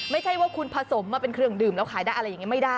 ไม่ใช่ว่าคุณผสมมาเป็นเครื่องดื่มแล้วขายได้อะไรอย่างนี้ไม่ได้